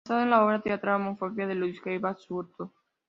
Basada en la obra teatral homónima de Luis G. Basurto.